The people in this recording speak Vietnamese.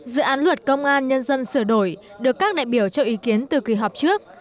dự án luật công an nhân dân sửa đổi được các đại biểu cho ý kiến từ kỳ họp trước